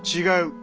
違う。